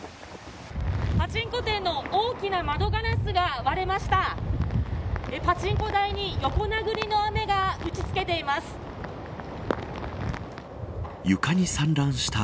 パチンコ店の大きな窓ガラスが割れました。